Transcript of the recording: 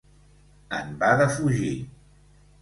En va defugir.